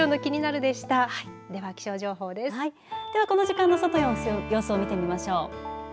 では、この時間の外の様子を見てみましょう。